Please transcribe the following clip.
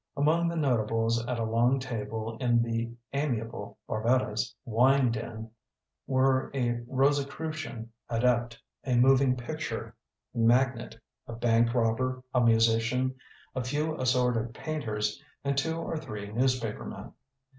Among the notables at a long table in the amiable Barbetta's wine den were a Rosicrucian adept, a moving picture 32 THE BOOKMAN magnate, a bank robber, a musician, a few assorted painters, and two or three newspaper men.